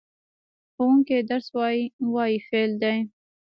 ښوونکی درس وايي – "وايي" فعل دی.